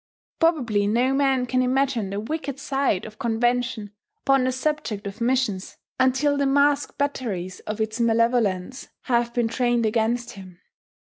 Probably no man can imagine the wicked side of convention upon the subject of missions until the masked batteries of its malevolence have been trained against him.